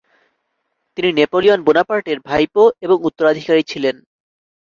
তিনি নেপোলিয়ন বোনাপার্টের ভাইপো এবং উত্তরাধিকারী ছিলেন।